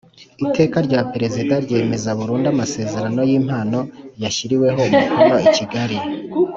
Iteka rya Perezida ryemeza burundu amasezerano y impano yashyiriweho umukono i Kigali